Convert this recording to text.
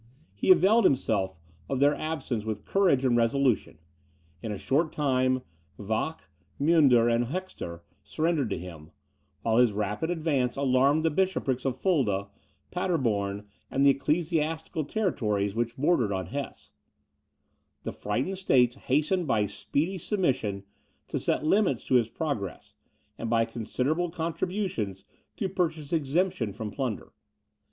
He availed himself of their absence with courage and resolution; in a short time, Vach, Muenden and Hoexter surrendered to him, while his rapid advance alarmed the bishoprics of Fulda, Paderborn, and the ecclesiastical territories which bordered on Hesse. The terrified states hastened by a speedy submission to set limits to his progress, and by considerable contributions to purchase exemption from plunder.